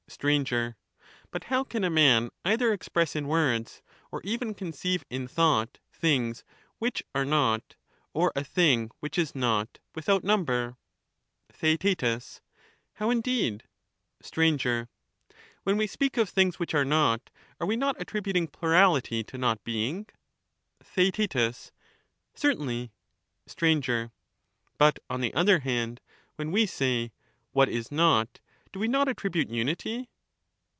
Str, But how can a man either express in words or even conceive in thought things which are not or a thing which is not without number ? TheaeU How indeed ? Str. When we speak of things which are not, are we not ' attributing plurality to not being ? TheaeU Certainly. Str. But, on the other hand, when we say 'what is not,* do we not attribute unity